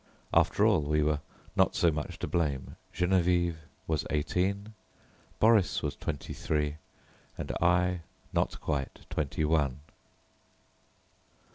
After all we were not so much to blame; Geneviève was eighteen, Boris was twenty three, and I not quite twenty one.